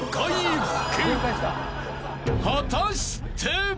［果たして！？］